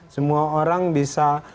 semua orang bisa